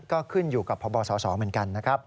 ก็ขึ้นอยู่กับพบสสเหมือนกันนะครับ